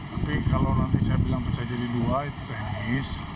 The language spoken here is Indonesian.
tapi kalau nanti saya bilang pecah jadi dua itu teknis